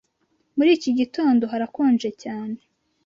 Muri iki gitondo harakonje cyane.